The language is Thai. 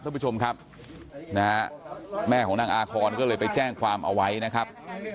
ท่านผู้ชมครับนะฮะแม่ของนางอาคอนก็เลยไปแจ้งความเอาไว้นะครับ